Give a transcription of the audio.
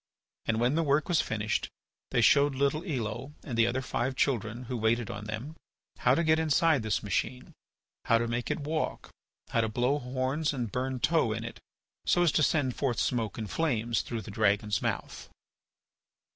And when the work was finished they showed little Elo and the other five children who waited on them how to get inside this machine, how to make it walk, how to blow horns and burn tow in it so as to send forth smoke and flames through the dragon's mouth.